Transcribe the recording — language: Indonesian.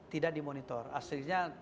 tidak dimonitor aslinya